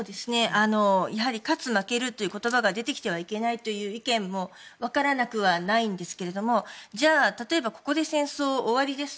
勝つ負けるという言葉が出てきてはいけないという意見も分からなくはないんですけれども例えばここで戦争終わりです